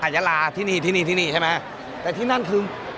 ยาลาที่นี่ที่นี่ที่นี่ใช่ไหมแต่ที่นั่นคือ